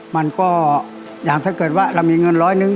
มันก็อย่างถ้าเกิดว่าเรามีเงินร้อยนึง